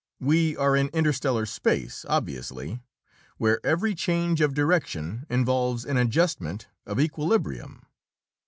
We are in interstellar space, obviously, where every change of direction involves an adjustment of equilibrium."